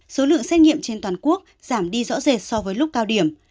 số lượng xét nghiệm trên toàn quốc giảm đi rõ rệt so với lúc cao điểm